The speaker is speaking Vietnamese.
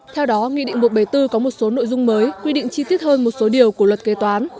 theo đó nghị định một trăm bảy mươi bốn có một số nội dung mới quy định chi tiết hơn một số điều của luật kế toán